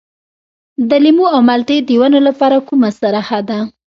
د لیمو او مالټې د ونو لپاره کومه سره ښه ده؟